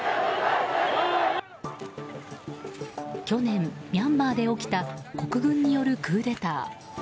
去年ミャンマーで起きた国軍によるクーデター。